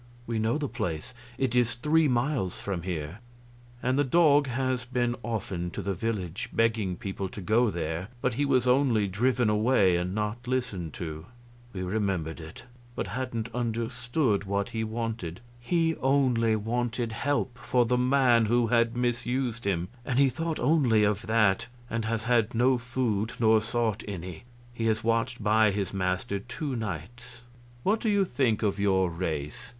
"We know the place; it is three miles from here." "And the dog has been often to the village, begging people to go there, but he was only driven away and not listened to." We remembered it, but hadn't understood what he wanted. "He only wanted help for the man who had misused him, and he thought only of that, and has had no food nor sought any. He has watched by his master two nights. What do you think of your race?